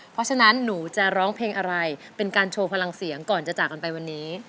เพราะฉะนั้นหนูจะร้องเพลงอะไรเป็นการโชว์พลังเสียงก่อนจะจากกันไปวันนี้